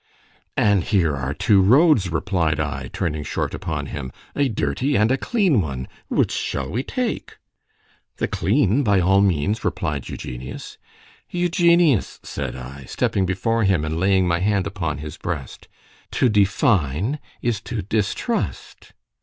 —And here are two roads, replied I, turning short upon him——a dirty and a clean one——which shall we take?—The clean, by all means, replied Eugenius. Eugenius, said I, stepping before him, and laying my hand upon his breast——to define—is to distrust.